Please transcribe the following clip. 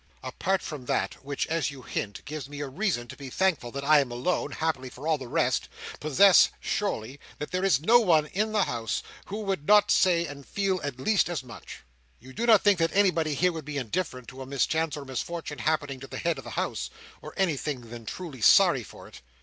"Apart from that, which, as you hint, gives me a reason to be thankful that I alone (happily for all the rest) possess, surely there is no one in the House who would not say and feel at least as much. You do not think that anybody here would be indifferent to a mischance or misfortune happening to the head of the House, or anything than truly sorry for it?"